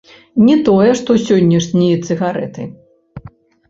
Не тое што сённяшнія цыгарэты.